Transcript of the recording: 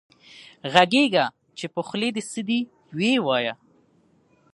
غږېږه چې په خولې دې څه دي وې وايه